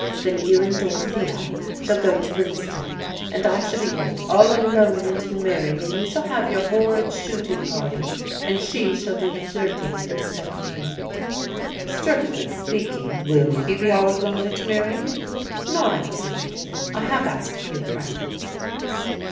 Then you and Dorothea shall go to Winston, and I shall be left all alone at Meering, and you shall have your horrid shooting parties and she shall do the flirting instead of me." "Strictly speaking, will you be all alone at Meering?" "Not absolutely. I have asked a few friends."